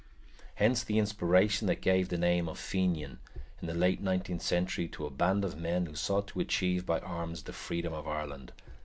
Hence the inspiration that gave the name of Fenian, in the late nineteenth century, to a band of men who sought to achieve by arms the freedom of Ireland.